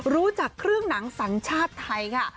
รู้จักเครื่องหนังสัญชาติไทยค่ะ